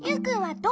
どう？